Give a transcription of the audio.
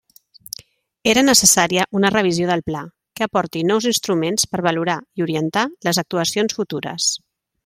Era necessària una revisió del Pla que aporti nous instruments per valorar i orientar les actuacions futures.